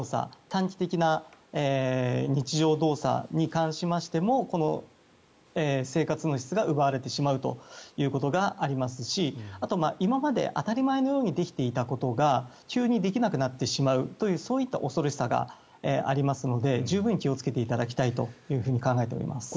短期的な日常動作に関しましてもこの生活の質が奪われてしまうということがありますしあと、今まで当たり前のようにできていたことが急にできなくなってしまうというそういった恐ろしさがありますので十分に気をつけていただきたいと考えています。